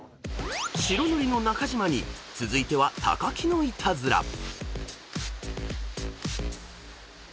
［白塗りの中島に続いては木のイタズラ］